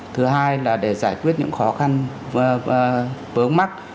thứ hai là để giải quyết những khó khăn bớ mắc